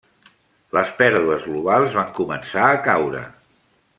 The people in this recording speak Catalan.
Les pèrdues globals van començar a caure.